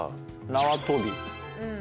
縄跳び？